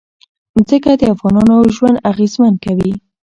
ځمکه د افغانانو ژوند اغېزمن کوي.